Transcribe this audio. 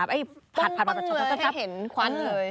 ได้เตาตให้เห็นควันเลย